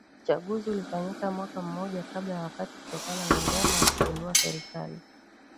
Uchaguzi ulifanyika mwaka mmoja kabla ya wakati kutokana na njama ya kupindua serikali